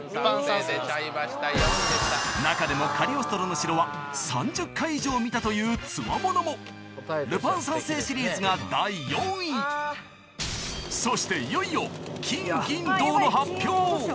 中でも『カリオストロの城』は３０回以上見たというつわものもそしていよいよ金銀銅の発表